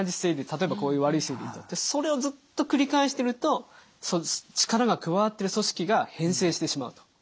例えばこういう悪い姿勢でいるとそれをずっと繰り返してると力が加わってる組織が変性してしまうと。